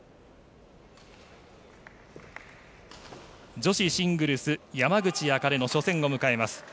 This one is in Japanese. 女子シングルス山口茜の初戦を迎えます。